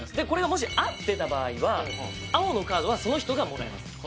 これがもし合ってた場合は青のカードはその人がもらいます